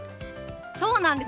そうなんです。